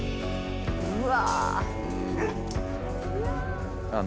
うわ！